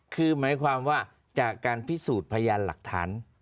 คือหมายความว่าจากการพิสูจน์พยานหลักฐาน